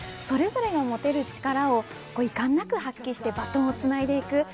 それぞれが持てる力をいかんなく発揮してバトンをつないでいく。